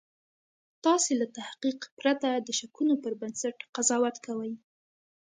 تاسې له تحقیق پرته د شکونو پر بنسټ قضاوت کوئ